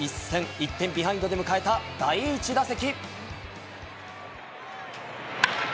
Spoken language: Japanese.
１点ビハインドで迎えた第１打席。